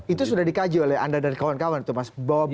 itu sudah dikaji oleh anda dan kawan kawan tuh mas bob